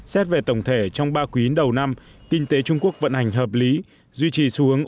xét về tổng thể trong ba quý đầu năm kinh tế trung quốc vận hành hợp lý duy trì xu hướng